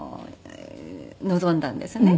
臨んだんですね。